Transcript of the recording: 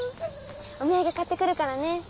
お土産買ってくるからね。